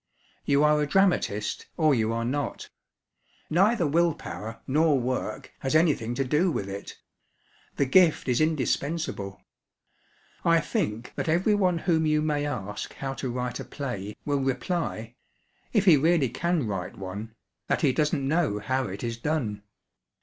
You are a dramatist, or you are not; neither will power nor work has anything to do with it. The gift is indispensable. I think that every one whom you may ask how to write a play will reply, if he really can write one, that he doesn't know how it is done.